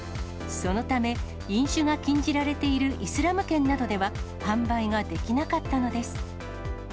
そのため、飲酒が禁じられているイスラム圏などでは、販売ができなかったのです。